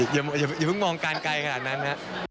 อย่าเพิ่งมองการไกลขนาดนั้นฮะ